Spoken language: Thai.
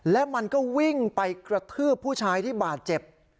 และมันก็วิ่งไปกระทืบผู้ชายที่บาดเจ็บ